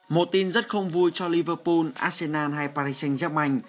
một tin rất không vui cho liverpool arsenal hay paris saint germain